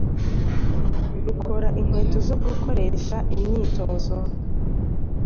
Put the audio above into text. rukora inkweto zo gukoresha imyitozo